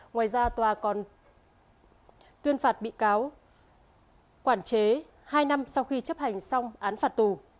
ngoài ra tòa còn tuyên phạt bị cáo quản chế hai năm sau khi chấp hành xong án phạt tù